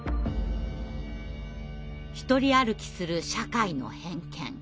独り歩きする社会の偏見。